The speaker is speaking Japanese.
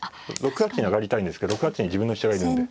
６八に上がりたいんですけど６八に自分の飛車がいるんで。